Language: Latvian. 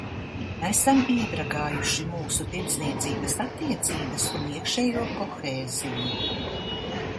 Esam iedragājuši mūsu tirdzniecības attiecības un iekšējo kohēziju.